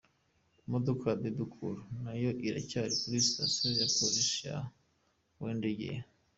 Imodoka ya Bebe Cool nayo iracyari kuri stasiyo ya polisi ya Wandegeya.